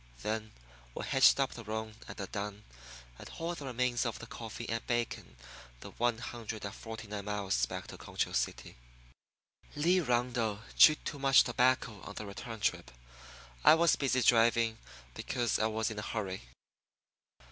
Then we hitched up the roan and the dun, and hauled the remains of the coffee and bacon the one hundred and forty nine miles back to Concho City. Lee Rundle chewed much tobacco on the return trip. I was busy driving, because I was in a hurry.